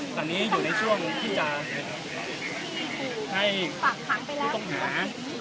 ตอนนี้อยู่ในช่วงที่จะให้ผู้ตกหา